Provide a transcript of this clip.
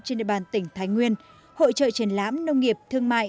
trên địa bàn tỉnh thái nguyên hội trợ triển lãm nông nghiệp thương mại